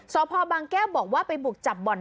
สพบางแก้วบอกว่าไปบุกจับบ่อน